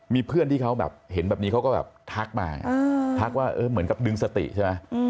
มีเพื่อนที่เขาแบบเห็นแบบนี้เขาก็แบบทักมาทักว่าเหมือนกับดึงสติใช่ไหม